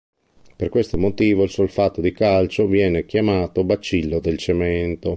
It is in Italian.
Per questo motivo il solfato di calcio viene chiamato "bacillo del cemento".